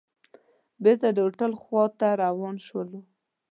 بېرته د هوټل خوا ته روان شولو.